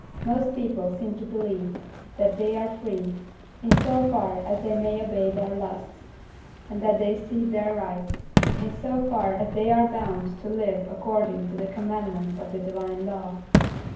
Most people seem to believe that they are free, in so far as they may obey their lusts, and that they cede their rights, in so far as they are bound to live according to the commandments of the divine law.